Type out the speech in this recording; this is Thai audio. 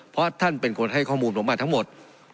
เพราะท่านเป็นคนให้ข้อมูลผมมาทั้งหมด